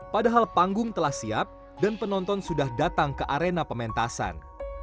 padahal panggung telah siap dan penonton sudah datang ke arena pementasan